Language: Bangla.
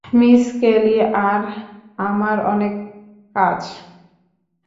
মিস কেলি আর আমার অনেক কাজ।